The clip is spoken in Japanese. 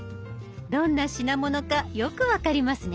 どんな品物かよく分かりますね。